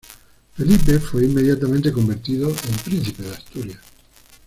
Felipe fue inmediatamente convertido en Príncipe de Asturias.